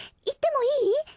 行ってもいい？